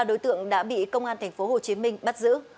các đối tượng đã bị công an thành phố hồ chí minh bắt giữ